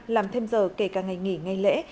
làm thêm giờ kể cả ngày nghỉ ngày lễ